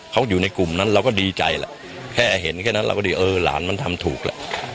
เขาอยู่ในกลุ่มนั้นเราก็ดีใจแหละแค่เห็นแค่นั้นเราก็ดีเออหลานมันทำถูกแหละ